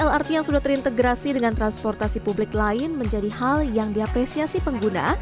lrt yang sudah terintegrasi dengan transportasi publik lain menjadi hal yang diapresiasi pengguna